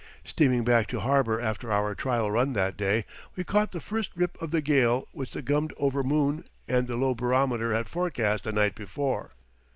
Steaming back to harbor after our trial run that day, we caught the first rip of the gale which the gummed over moon and the low barometer had forecast the night before.